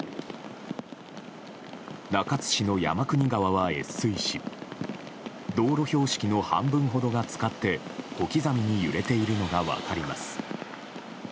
中津市の山国川は越水し道路標識の半分ほどが浸かって小刻みに揺れているのが分かります。